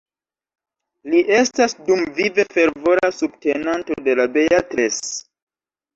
Li estas dumvive fervora subtenanto de la "Beatles".